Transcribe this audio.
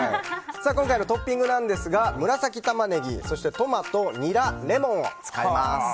今回のトッピングですが紫タマネギ、そしてトマト、ニラ、レモンを使います。